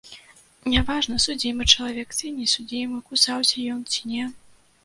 Не важна, судзімы чалавек, ці не судзімы, кусаўся ён ці не.